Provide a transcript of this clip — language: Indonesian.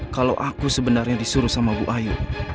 kalau aku sebenarnya disuruh sama bu ayu